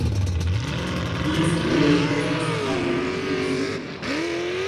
Ties kruroj estas malhelgrizaj.